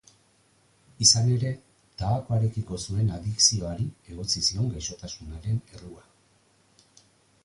Izan ere, tabakoarekiko zuen adikzioari egotzi zion gaixotasunaren errua.